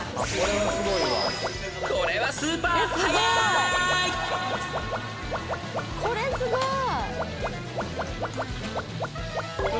［これはスーパーはやい！］